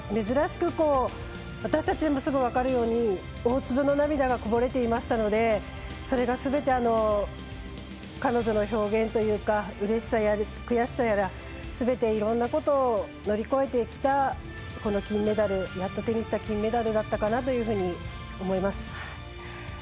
珍しく、私たちにもすごい分かるように大粒の涙がこぼれていましたのでそれがすべて彼女の表現というかうれしさやら悔しさやらすべていろんなことを乗り越えてきたこの金メダル、やっと手にした金メダルだったかなと思います。